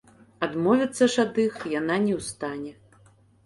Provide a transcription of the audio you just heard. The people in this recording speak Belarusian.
Адмовіцца ж ад іх яна не ў стане.